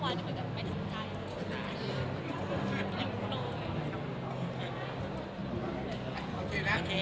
มันยอดทั้งประโยคเกิด